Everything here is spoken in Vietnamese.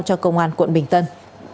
cho công an quận bình tân